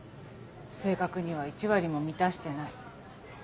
正確には１割も満たしてない。